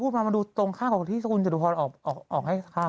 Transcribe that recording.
มามาดูตรงข้ามกับที่คุณจตุพรออกให้ข้าง